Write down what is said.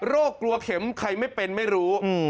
กลัวเข็มใครไม่เป็นไม่รู้